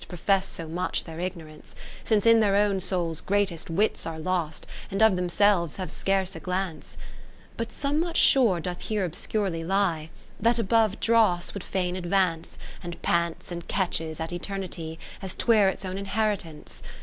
Profess so much their ignorance ; Since in their own souls greatest wits are lost, And of themselves have scarce a glance. 20 VI But somewhat sure doth here ob scurely lie. That above dross would fain advance, And pants and catches at Eternity, As 'twere its own inheritance.